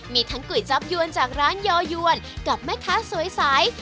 มีทั้งก๋วยจับยวนจากร้านยอยวนกับแม่ค้าสวยใส